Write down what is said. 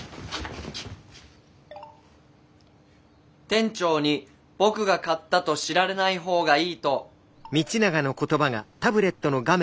店長に僕が買ったと知られない方がいいと。